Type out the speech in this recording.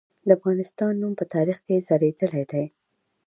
د افغانستان نوم په تاریخ کې ځلیدلی دی.